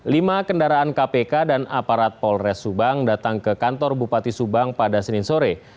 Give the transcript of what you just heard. lima kendaraan kpk dan aparat polres subang datang ke kantor bupati subang pada senin sore